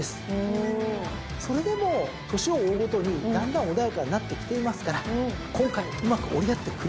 それでも年を追うごとにだんだん穏やかになってきていますから今回うまく折り合ってくれるでしょう！